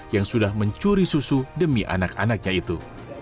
yang sudah mencuri susu demi anak anaknya itu